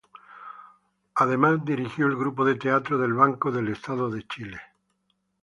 Además, dirigió el grupo de teatro del Banco del Estado de Chile.